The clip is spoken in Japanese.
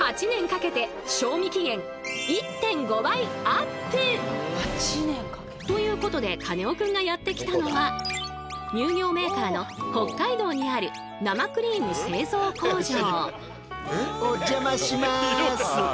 そして現在のようにみんながということでカネオくんがやって来たのは乳業メーカーの北海道にある生クリーム製造工場。